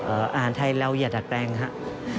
อาหารไทยเราอย่าดัดแปลงครับ